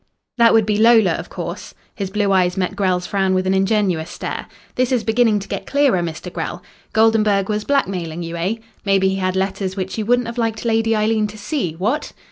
"That would be Lola, of course." His blue eyes met Grell's frown with an ingenuous stare. "This is beginning to get clearer, Mr. Grell. Goldenburg was blackmailing you, eh? Maybe he had letters which you wouldn't have liked Lady Eileen to see what?"